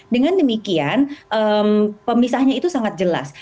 dengan demikian pemisahnya itu sangat jelas